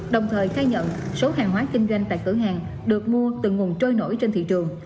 đồng thời khai nhận số hàng hóa kinh doanh tại cửa hàng được mua từ nguồn trôi nổi trên thị trường